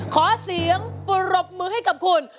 ขอเสียงปรบมือให้กับคุณ